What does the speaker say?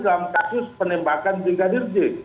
dalam kasus penembakan brigadir j